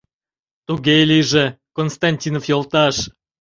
Туге лийже, Константинов йолташ.